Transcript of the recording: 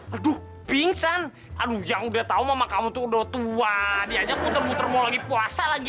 aduh pingsan aduh jangan udah tahu mama kamu tuh udah tua diajak muter muter mau lagi puasa lagi